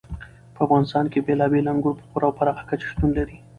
په افغانستان کې بېلابېل انګور په پوره او پراخه کچه شتون لري.